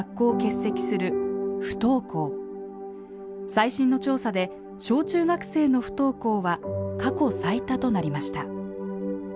最新の調査で小中学生の不登校は過去最多となりました。